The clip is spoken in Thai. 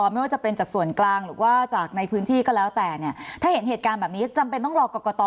เดี๋ยวผมไม่เข้าใจนะเพื่อไม่รอกรกฎตอ